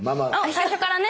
最初からね。